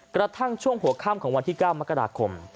กระทั่งช่วงหัวค่ำของวันที่๙มกราคม